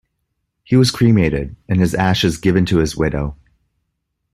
He was cremated and his ashes given to his widow.